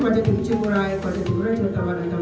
เพราะฉะนั้นก่อนจะถูกชื่นบริหาร